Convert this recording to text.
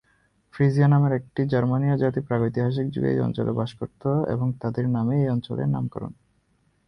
ফ্রিজীয় নামের একটি জার্মানীয় জাতি প্রাগৈতিহাসিক যুগে এই অঞ্চলে বাস করত এবং তাদের নামেই এই অঞ্চলের নামকরণ।